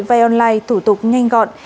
vay online thủ tục nhanh gọn